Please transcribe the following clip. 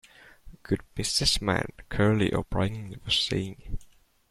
Good business man, Curly, O'Brien was saying.